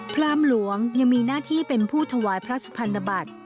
พรามหลวงยังมีหน้าที่เป็นผู้ถวายพระสุพรรณบัติ